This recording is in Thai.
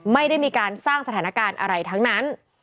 ไม่ได้มีการสร้างสถานการณ์อะไรทั้งนั้น